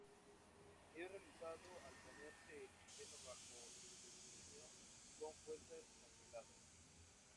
Es realizado al ponerse el sistema bajo escrutinio con fuerzas controladas.